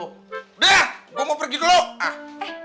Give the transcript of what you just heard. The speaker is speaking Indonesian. udah gue mau pergi dulu